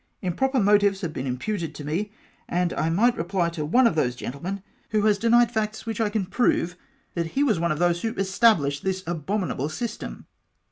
Improper mo tives have been imputed to me, and I might reply to one of those gentlemen who has denied facts w^hich I can prove, that he was one of those w^ho established this abominable system.